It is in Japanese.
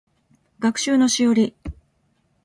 学習のしおり